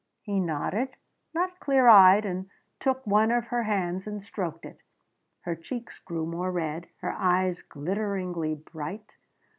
He nodded, not clear eyed, and took one of her hands and stroked it. Her cheeks grew more red; her eyes glitteringly bright.